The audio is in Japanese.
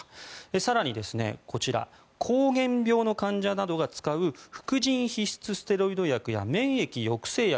更にこちら膠原病の患者などが使う副腎皮質ステロイド薬や免疫抑制薬